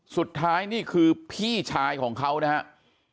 นี่คือพี่ชายของเขานะครับ